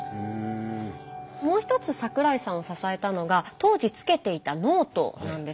もう一つ桜井さんを支えたのが当時つけていたノートなんです。